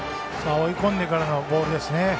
追い込んでからのボールですね。